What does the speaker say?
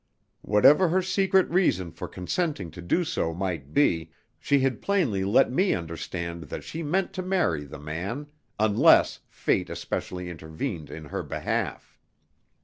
Whatever her secret reason for consenting to do so might be, she had plainly let me understand that she meant to marry the man, unless Fate especially intervened in her behalf.